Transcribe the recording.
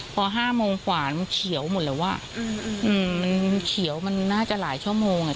พอห้าโมงขวานมันเขียวหมดเลยว่ะอืมมันเขียวมันน่าจะหลายชั่วโมงอะ